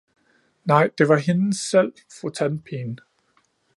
Nej, det var hendes selv, fru tandpine